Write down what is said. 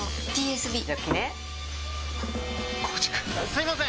すいません！